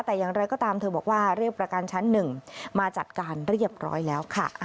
แต่อย่างไรก็ตามเธอบอกว่าเรียกประกันชั้น๑มาจัดการเรียบร้อยแล้วค่ะ